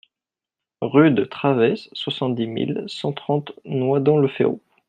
Rue de Traves, soixante-dix mille cent trente Noidans-le-Ferroux